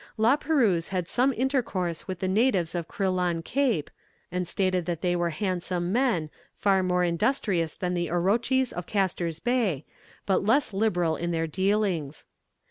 La Perouse had some intercourse with the natives of Crillon Cape, and stated that they were handsome men, far more industrious than the Orotchys of Casters Bay, but less liberal in their dealings.